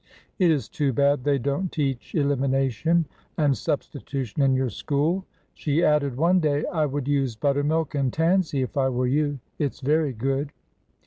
It is too bad they don't teach elimination and substitution in your school." She added one day :'' I would use buttermilk and tansy if I were you. It 's very good."